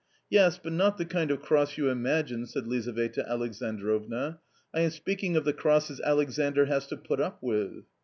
" Yes, but not the kind of cross you imagine," said Liza veta Alexandrovna ;" I am speaking of the crosses Alexandr has to put up with."